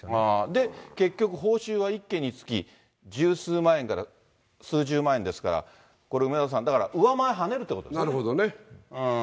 で結局、報酬は１件につき十数万円から数十万円ですから、梅沢さん、だからうわまえはねるってことですよね。